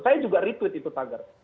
saya juga retweet itu tagar